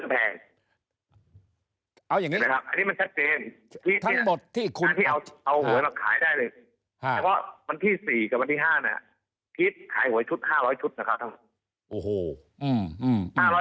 พีชขายหัวชุด๕๐๐ชุดนะครับทั้งหมด